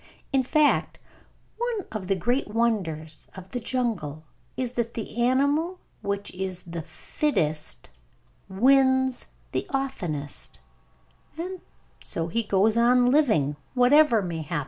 In fact, one of the great wonders of the jungle is that the animal which is the fittest wins the oftenest; and so he goes on living, whatever may happen to the others.